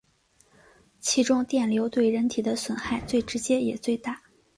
其中电流对人体的损害最直接也最大。